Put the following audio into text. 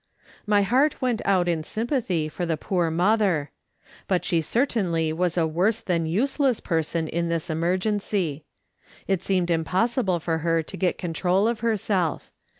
My heart went out in sympathy for the poor mother. But she certainly was a worse than useless person in this emergency. It seemed impossible for her to get control of her self.